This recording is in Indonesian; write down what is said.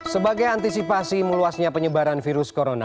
sebagai antisipasi meluasnya penyebaran virus corona